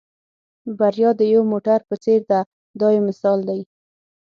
بریا د یو موټر په څېر ده دا یو مثال دی.